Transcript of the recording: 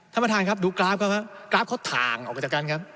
ท่านประธานครับดูกราฟเขาครับกราฟเขาถ่างออกไปจากกันครับ